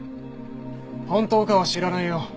本当かは知らないよ。